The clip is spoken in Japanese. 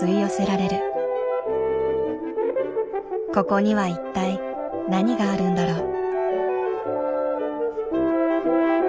ここには一体何があるんだろう？